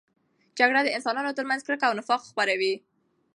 جګړه د انسانانو ترمنځ کرکه او نفاق خپروي.